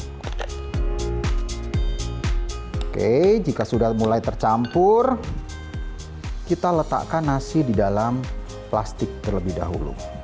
oke jika sudah mulai tercampur kita letakkan nasi di dalam plastik terlebih dahulu